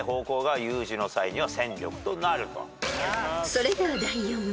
［それでは第４問］